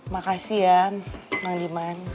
makasih ya nang diman